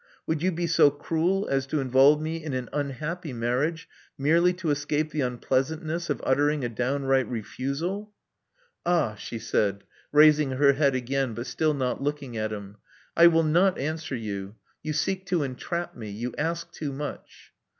Would you be so cruel as to involve me in an unhappy marriage merely to escape the unpleasantness of uttering a downright refusal?" 2IO Love Among the Artists Ah! she said, raising her head again, but still not looking at him, '*I will not answer you. You seek to entrap me — ^you ask too much."